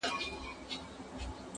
دا حلال به لا تر څو پر موږ حرام وي,